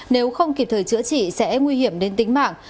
nếu không kịp thời chữa trị sẽ nguy hiểm đến tính mạng